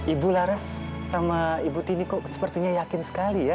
ibu lares sama ibu tini kok sepertinya yakin sekali ya